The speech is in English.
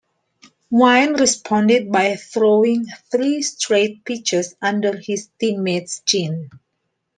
Wynn responded by throwing three straight pitches under his teammate's chin.